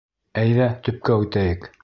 — Әйҙә, төпкә үтәйек.